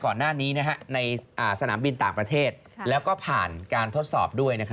ก่อนหน้านี้ในสนามบินต่างประเทศแล้วก็ผ่านการทดสอบด้วย